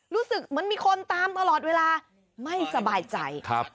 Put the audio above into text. รู้สึกเหมือนมีคนตามตลอดเวลาไม่สบายใจครับ